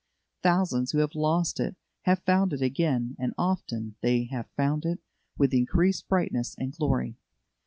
Thousands who have lost it have found it again, and often they have found it with increased brightness and glory.